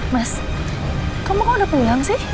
mas kamu kok udah pulang sih